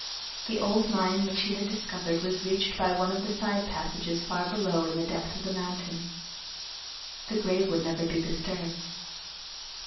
The old mine which he had discovered was reached by one of the side passages far below in the depth of the mountain. The grave would never be disturbed.